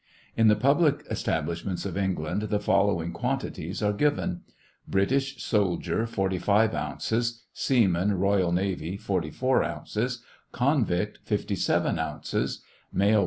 In the public establishments of England the following quantities are given: British soldier, 45 ounces ; seaman, royal navy, 44 ounces ; convict, 57 ounces ; male.